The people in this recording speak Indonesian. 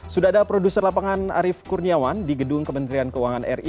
sudah ada produser lapangan arief kurniawan di gedung kementerian keuangan ri